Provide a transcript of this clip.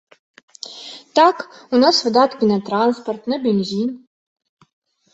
Так, у нас выдаткі на транспарт, на бензін.